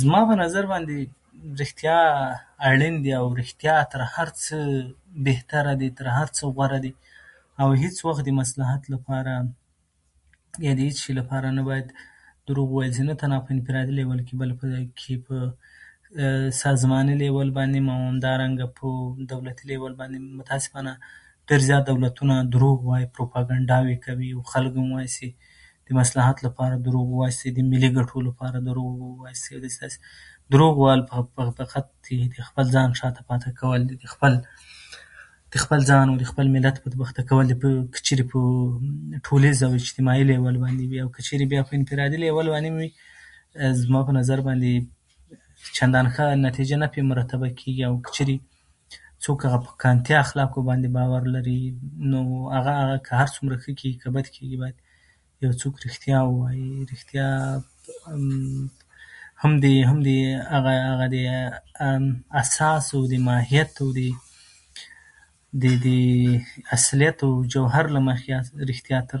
زما په نظر باندې، رښتيا اړين دي، او رښتيا تر هر څه بهتره دي، تر هر څه غوره دي. او هيڅ وخت د مصلحت لپاره يا د هيڅ شي لپاره نه بايد دروغ وويل شي. نه تنها په انفرادي ليول کې، بلکې په سازماني ليول باندې هم او همدارنګه په دولتي ليول باندې هم متاسفانه ډېر زيات دولتونه دروغ وايي، پروپاګنډاوې کوي او خلک هم وايي سې د مصلحت لپاره دروغ وويل سي، د ملي ګټو لپاره دروغ وويل سي، او داسې هسې. دروغ ويل فقط د خپل ځان شاته پاتې کول دي. د خپل، د خپل ځان او د خپل ملت بدبخته کول دي. که چيرې په ټولنيز او اجتماعي ليول باندې وي. او که چيرې بيا په انفرادي ليول باندې هم وي، زما په نظر باندې چندانې ښه نتيجه نه پرې مرتبه کيږي. او که چيرې څوک هغه په کانتي اخلاقو باندې باور لري، نو هغه که هر څومره ښه کيږي، که بد کيږي، يو څوک رښتيا ووايي. رښتيا هم د، هم د هغه د اساس او د ماهيت او د اصليت او جوهر له مخې رښتيا تل تر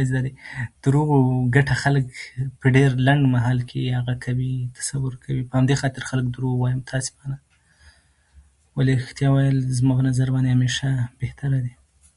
دروغو برتري لري. او هم دنتيجې له اړخه، دروغ ممکن يو څوک، يو چا ته په يو ځای کې نجات ورکړي، ولې د تل لپاره یې نسي ورکولی. يوه ډېره جالبه ټوکه وه. وايي د موږ په کلي کې طالبانو څوک نيولي وو، اتي ورته يې ويلي وو چې هغه ده، چرس که نصوار سته درسره؟ درته ويلي وو چې ما دې خدای او قران ووهي چې ما سره چرس او نصوار نشته. وايي هغه طالبانو دی پرېښی وو. هغه بل ملګري ورته ويلي وو چې دروغ دې ولې ورته وويل، چې ځان دې پر خدای او قران باندې ووهو؟ وايي خدای او قران خو مې همدا ګړۍ نه وهي، طالبان خو مې همدا اوس وهي. نو، دا مې تر دې درته وويلې چې د دروغو ګټه خلک پرې لنډ مهال کې پرې هغه کوي، تصور کوي. په همدې خاطر خلک دروغ وايي متاسفانه. ولې رښتيا ويل زما په نظر باندې همېشه بهتره دي.